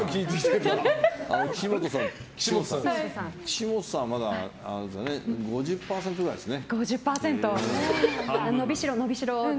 岸本さんはまだ５０％くらいですね。